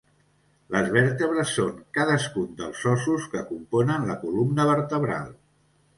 Les vèrtebres són cadascun dels ossos que componen la columna vertebral.